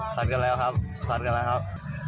กันแล้วครับซัดกันแล้วครับ